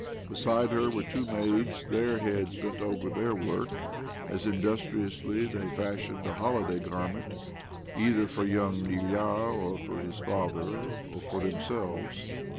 Beside her were two maids— their heads bent over their work as industriously they fashioned a holiday garment either for young Ilya or for his father or for themselves.